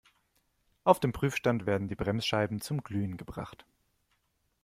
Auf dem Prüfstand werden die Bremsscheiben zum Glühen gebracht.